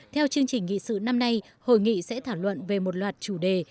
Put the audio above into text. theo chương trình nghị sự năm nay hội nghị sẽ thảo luận về một loạt chủ đề